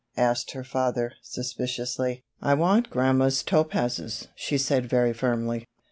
asked her father, suspiciously. "I want grandma's topazes," she said very firmly.